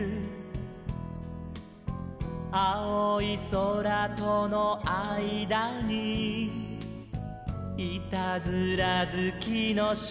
「あおいそらとのあいだにいたずらずきのしろ」